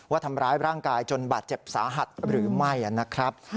ว่าทำร้ายร่างกายจนบาดเจ็บสาหัสหรือไม่นะครับ